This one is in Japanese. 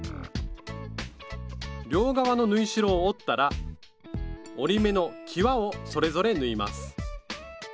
両側の縫い代を折ったら折り目のきわをそれぞれ縫います。